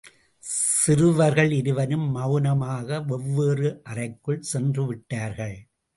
சிறுவர்கள் இருவரும் மௌனமாக வெவ்வேறு அறைக்குள் சென்றுவிட்டார்கள்.